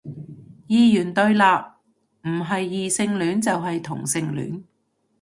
二元對立，唔係異性戀就係同性戀